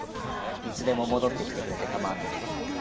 いつでも戻ってきてくれてかまわないんだぞ。